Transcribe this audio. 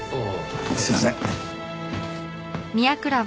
すいません。